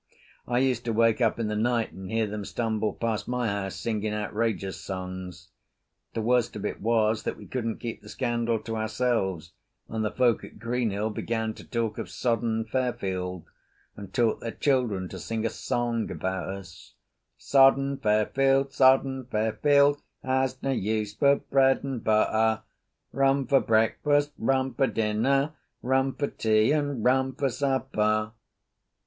I used to wake up in the night and hear them stumble past my house, singing outrageous songs. The worst of it was that we couldn't keep the scandal to ourselves and the folk at Greenhill began to talk of "sodden Fairfield" and taught their children to sing a song about us: "Sodden Fairfield, sodden Fairfield, has no use for bread and butter, Rum for breakfast, rum for dinner, rum for tea, and rum for supper!"